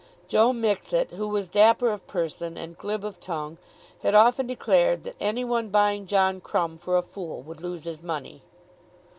Joe Mixet, who was dapper of person and glib of tongue, had often declared that any one buying John Crumb for a fool would lose his money.